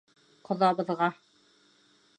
Ҡоҙабыҙға.